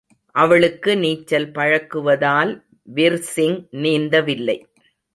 அவளுக்கு நீச்சல் பழக்குவதால் விர்சிங் நீந்தவில்லை.